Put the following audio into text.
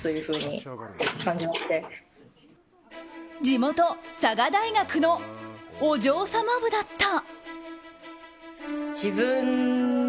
地元・佐賀大学のお嬢様部だった。